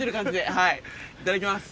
いただきます。